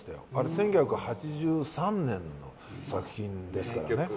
１９８３年の作品ですからね。